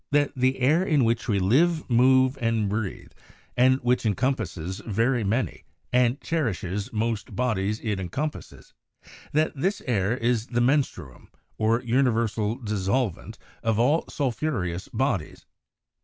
that the air in which we live, move, and breath, and which encompasses very many, and cherishes most bodies it encompasses, that this air is the menstruum, or universal dissolvent of all sulphureous bodies